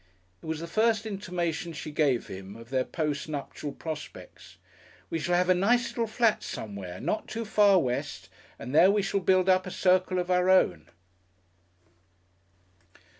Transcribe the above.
It was the first intimation she gave him of their post nuptial prospects. "We shall have a nice little flat somewhere, not too far west, and there we shall build up a circle of our own."